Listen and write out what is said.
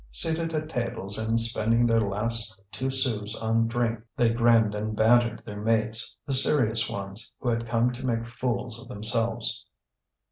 Seated at tables, and spending their last two sous on drink, they grinned and bantered their mates, the serious ones, who had come to make fools of themselves.